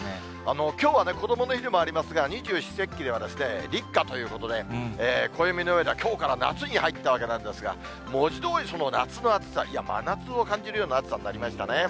きょうはこどもの日でもありますが、二十四節気では立夏ということで、暦の上ではきょうから夏に入ったわけなんですが、文字どおり、夏の暑さ、真夏を感じるような暑さになりました。